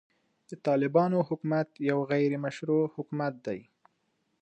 د طالبانو حکومت يو غيري مشروع حکومت دی.